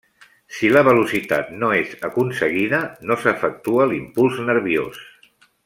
Si la velocitat no és aconseguida, no s'efectua l'impuls nerviós.